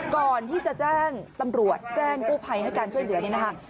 ก่อนที่จะแจ้งตำรวจแจ้งกู้ภัยให้การช่วยเหลือเนี่ยนะคะ